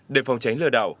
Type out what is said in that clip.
để phòng tránh lừa đảo